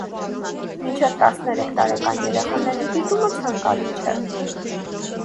Մինչև տասներեք տարեկան երեխաների դիտումը ցանկալի չէ։